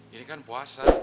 ini kan puasa